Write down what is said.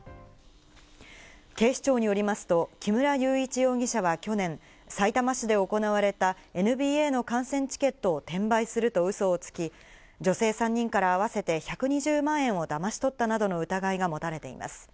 警視庁によりますと、木村祐一容疑者は去年、さいたま市で行われたＮＢＡの観戦チケットを転売するとウソをつき、女性３人から合わせて１２０万円をだまし取ったなどの疑いが持たれています。